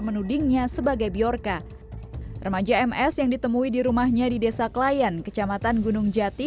menudingnya sebagai biorka remaja ms yang ditemui di rumahnya di desa klayan kecamatan gunung jati